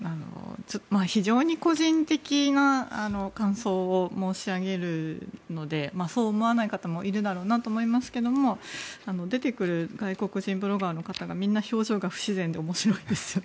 非常に個人的な感想を申し上げるのでそう思わない方もいるだろうなと思いますけども出てくる外国人ブロガーの方がみんな表情が不自然で面白いですよね。